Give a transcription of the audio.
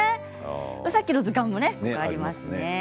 さっきの図鑑もありますね。